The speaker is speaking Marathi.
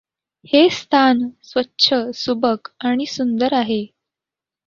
हे स्थान स्वच्छ, सुबक आणि सुंदर आहे.